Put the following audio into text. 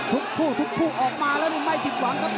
ทุกคู่ทุกคู่ออกมาแล้วนี่ไม่ผิดหวังครับ